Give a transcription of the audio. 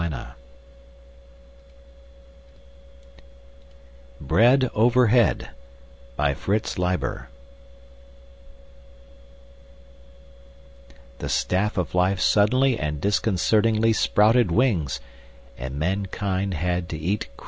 net Bread Overhead By FRITZ LEIBER _The Staff of Life suddenly and disconcertingly sprouted wings and mankind had to eat crow!